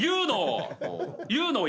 言うのを？